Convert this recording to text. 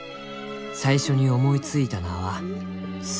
「最初に思いついた名は『スミレ』。